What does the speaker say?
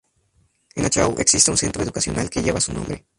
En Achao existe un Centro educacional que lleva su nombre.